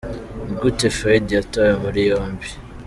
Ni gute Faïd yatawe muri yombi?.